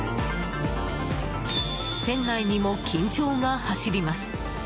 船内にも緊張が走ります。